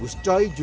nahdlatul ulama itu